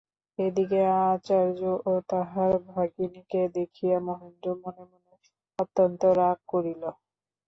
এ দিকে আচার্য ও তাহার ভগিনীকে দেখিয়া মহেন্দ্র মনে মনে অত্যন্ত রাগ করিল।